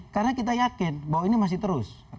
karena kita yakin bahwa ini masih terus